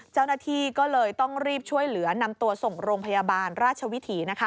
เจ้าหน้าที่ก็เลยต้องรีบช่วยเหลือนำตัวส่งโรงพยาบาลราชวิถี